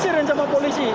sering diusir dengan polisi